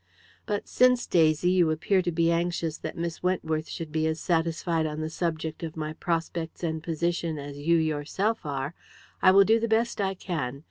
But since, Daisy, you appear to be anxious that Miss Wentworth should be as satisfied on the subject of my prospects and position as you yourself are, I will do the best I can.